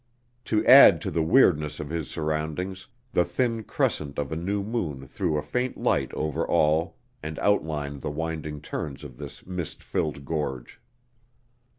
To add to the weirdness of his surroundings, the thin crescent of a new moon threw a faint light over all and outlined the winding turns of this mist filled gorge.